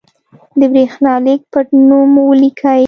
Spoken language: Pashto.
د برېښنالېک پټنوم مو ولیکئ.